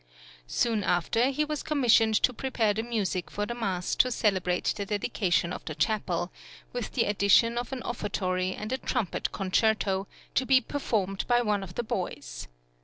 Soon after he was commissioned to prepare the music for the mass to celebrate the dedication of the chapel, with the addition of an offertory and a trumpet concerto, to be performed by one of the boys.